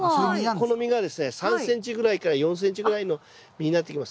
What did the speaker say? この実がですね３ｃｍぐらいから４ｃｍぐらいの実になってきます。